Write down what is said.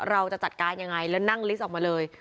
เราจะจัดการยังไงแล้วนั่งลิสต์ออกมาเลย